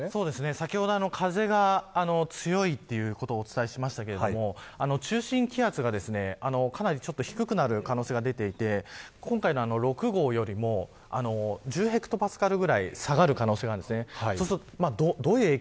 先ほど風が強いということをお伝えしましたが中心気圧がかなり低くなる可能性が出ていて今回の６号よりも１０ヘクトパスカルぐらい下がる可能性があります。